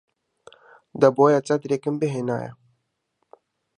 دەبوایە چەترێکم بهێنایە.